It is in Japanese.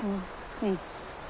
うん。